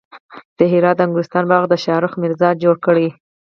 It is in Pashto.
د هرات د انګورستان باغ د شاهرخ میرزا جوړ کړ